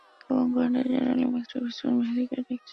The album garnered generally mixed reviews from music critics.